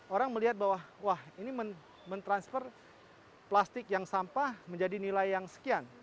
orang melihat bahwa wah ini mentransfer plastik yang sampah menjadi nilai yang sekian